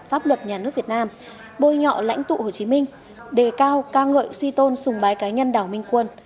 pháp luật nhà nước việt nam bôi nhọ lãnh tụ hồ chí minh đề cao ca ngợi suy tôn xùng bái cá nhân đảo minh quân